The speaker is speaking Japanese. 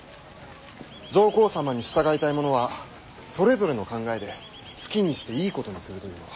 上皇様に従いたい者はそれぞれの考えで好きにしていいことにするというのは。